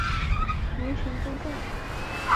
族群分散。